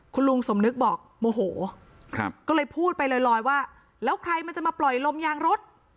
คุณลุงสมนึกบอกโมโหก็เลยพูดไปลอยว่าแล้วใครมันจะมาปล่อยลมยางรถ